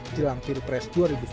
jelang pilpres dua ribu sembilan belas